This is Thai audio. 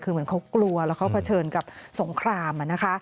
คือเหมือนเขากลัวแล้วเขาเผชิญกับสงครามนะคะ